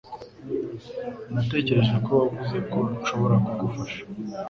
Natekereje ko wavuze ko nshobora kugufasha.